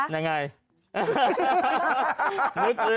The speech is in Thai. ได้ไง